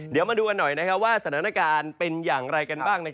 เดี๋ยวมาดูกันหน่อยว่าสถานการณ์เป็นอย่างไรกันบ้าง